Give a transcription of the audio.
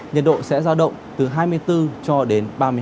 nhật độ sẽ ra động từ hai mươi bốn cho đến ba mươi hai độ